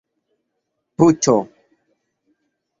puĉo